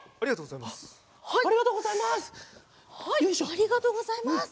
ありがとうございます。